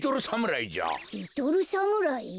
リトルサムライじゃ。